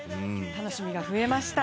楽しみが増えました